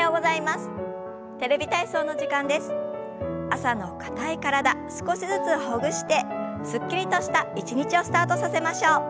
朝の硬い体少しずつほぐしてすっきりとした一日をスタートさせましょう。